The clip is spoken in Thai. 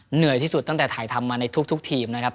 เหนื่อยที่สุดตั้งแต่ถ่ายทำมาในทุกทีมนะครับ